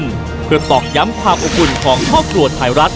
จากรุ่นสู่รุ่นเพื่อตอบย้ำความอบคุณของท่อปรวจไทยรัฐ